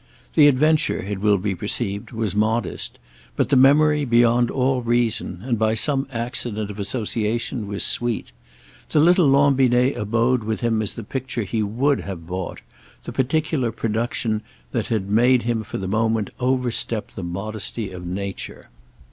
The adventure, it will be perceived, was modest; but the memory, beyond all reason and by some accident of association, was sweet. The little Lambinet abode with him as the picture he would have bought—the particular production that had made him for the moment overstep the modesty of nature.